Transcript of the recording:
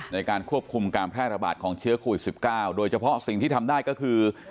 ในการควบคุมการแพร่ระบาดของเชื้อโควิด๑๙โดยเฉพาะสิ่งที่ทำได้ก็คือ